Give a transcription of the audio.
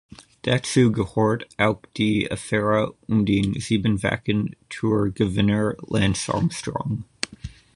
Dazu gehört auch die Affäre um den siebenfachen Tour-Gewinner Lance Armstrong.